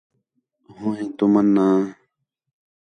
ہو ٻئے تُمن آ